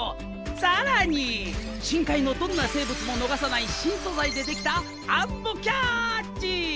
更に深海のどんな生物も逃さない新素材でできたアンモキャッチ！